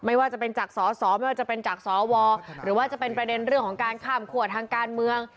ไม่ว่าจะเป็นจากสอสอไม่ว่าจะเป็นจากสวหรือว่าจะเป็นประเด็นเรื่องของการข้ามขัวทางการเมือง